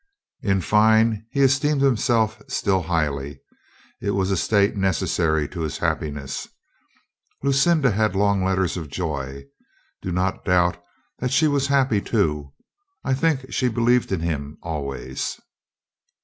In fine, he esteemed himself still highly. It was 170 COLONEL GREATHEART a state necessary to his happiness. Lucinda had long letters of joy. Do not doubt that she was happy, too. I think she believed in him always.